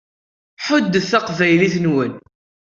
Ḥuddet taqbaylit-nwen.